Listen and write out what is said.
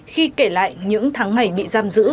khi kể lại những tháng ngày bị giam giữ